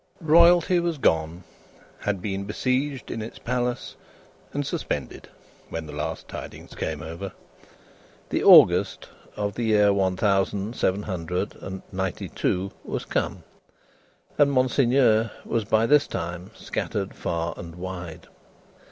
Royalty was gone; had been besieged in its Palace and "suspended," when the last tidings came over. The August of the year one thousand seven hundred and ninety two was come, and Monseigneur was by this time scattered far and wide.